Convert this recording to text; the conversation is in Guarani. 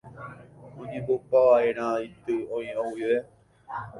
oñemombopava'erã yty oĩva guive